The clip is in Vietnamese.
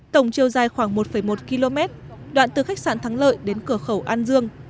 tổng chiều dài khoảng một một km đoạn từ khách sạn thắng lợi đến cửa khẩu an dương